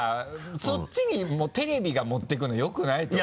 そっちにもうテレビが持っていくのよくないと思う。